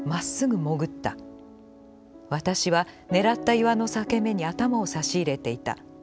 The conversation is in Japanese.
私は狙った岩の裂け目に頭を差し入れていた。